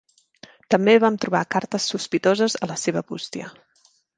També vam trobar cartes sospitoses a la seva bústia.